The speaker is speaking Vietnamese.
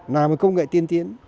làm công nghệ tiên tiến